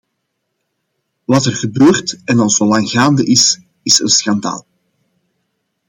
Wat er gebeurt en al zo lang gaande is, is een schandaal.